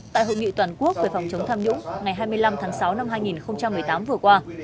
tại hội nghị toàn quốc về phòng chống tham nhũng ngày hai mươi năm tháng sáu năm hai nghìn một mươi tám vừa qua